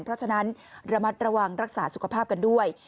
เพราะฉะนั้นระมัดระวังรักษาสุขภาพกันด้วย